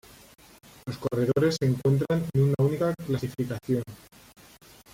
Los corredores se encuentran en una única clasificación.